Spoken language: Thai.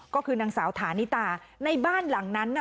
ก็คือนางสาวฐานิตาในบ้านหลังนั้นน่ะ